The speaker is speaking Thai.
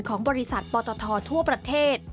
ของบริษัทปตททั่วประเทศ